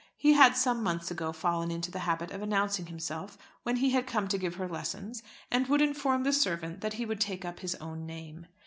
He had some months ago fallen into the habit of announcing himself, when he had come to give her lessons, and would inform the servant that he would take up his own name.